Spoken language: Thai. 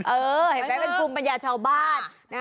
เออเห็นไหมคุณปัญญาชาวบ้าน